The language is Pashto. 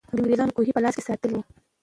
انګریزان کوهي په لاس کې ساتلې وو.